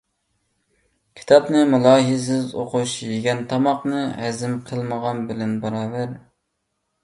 كىتابنى مۇلاھىزىسىز ئوقۇش، يېگەن تاماقنى ھەزىم قىلمىغان بىلەن باراۋەر.